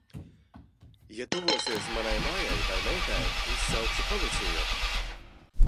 Ja tuvosies manai mājai vai meitai, izsaukšu policiju.